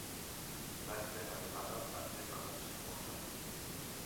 La escena de la danza es la más famosa.